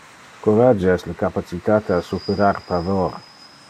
Corage es le capacitate a superar pavor.